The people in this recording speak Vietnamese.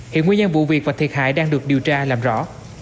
hiện nguyên nhân vụ việc và thiệt hại đang được điều tra làm rõ